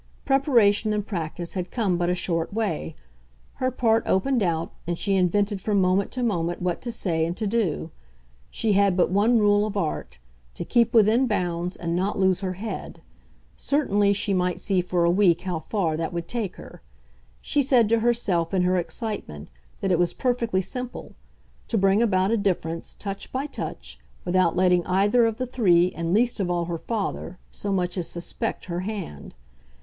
Preparation and practice had come but a short way; her part opened out, and she invented from moment to moment what to say and to do. She had but one rule of art to keep within bounds and not lose her head; certainly she might see for a week how far that would take her. She said to herself, in her excitement, that it was perfectly simple: to bring about a difference, touch by touch, without letting either of the three, and least of all her father, so much as suspect her hand.